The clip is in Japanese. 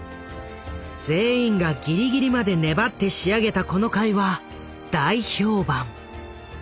全員がギリギリまで粘って仕上げたこの回は大評判。